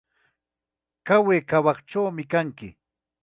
Qaway qawachkanki.